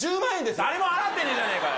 誰も払ってねぇじゃねぇかよ。